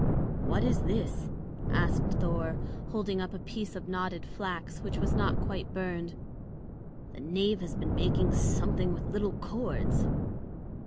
"What is this?" asked Thor, holding up a piece of knotted flax which was not quite burned. "The knave has been making something with little cords."